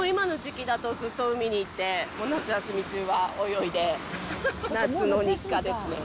今の時期だと、ずっと海に行って、夏休み中は泳いで、夏の日課ですね。